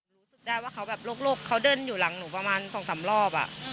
รู้สึกได้ว่าเขาแบบโลกเขาเดินอยู่หลังหนูประมาณ๒๓รอบ